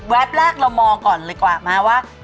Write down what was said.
แรกเรามองก่อนเลยกว่ามาว่า